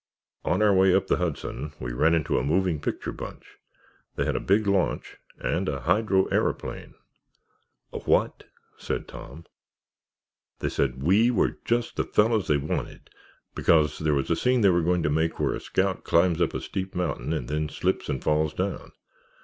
"On our way up the Hudson we ran into a moving picture bunch. They had a big launch and a hydro aeroplane——" "A what?" said Tom. "They said we were just the fellows they wanted because there was a scene they were going to make where a scout climbs up a steep mountain and then slips and falls down.